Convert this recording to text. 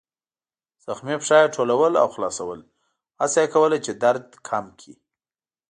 زخمي پښه يې ټولول او خلاصول، هڅه یې کوله چې درد کم کړي.